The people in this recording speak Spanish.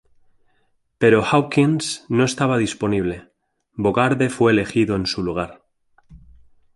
Pero Hawkins no estaba disponible, Bogarde fue elegido en su lugar.